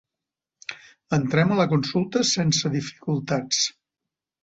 Entrem a la consulta sense dificultats.